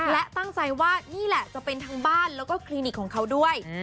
และตั้งใจว่านี่แหละจะเป็นทั้งบ้านแล้วก็คลินิกของเขาด้วย